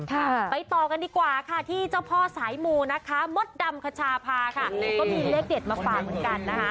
ชาวบ้านที่ไปร่วมงาน